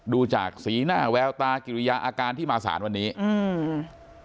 ดูจากสีหน้าแววตากิริยาอาการที่มาสารวันนี้อืม